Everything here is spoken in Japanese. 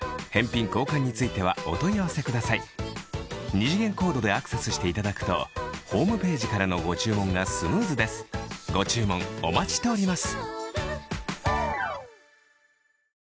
二次元コードでアクセスしていただくとホームページからのご注文がスムーズですご注文お待ちしております